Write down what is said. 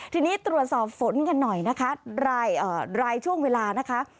ทีนี้ตรวจสอบฝนกันหน่อยนะคะรายช่วงเวลานะคะ